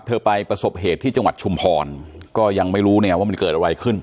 ไปประสบเหตุที่จังหวัดชุมพรก็ยังไม่รู้เนี่ยว่ามันเกิดอะไรขึ้น